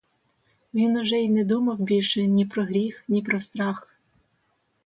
Він уже й не думав більше ні про гріх, ні про страх.